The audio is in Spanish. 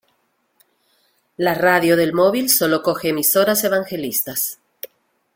La radio del móvil sólo coge emisoras evangelistas.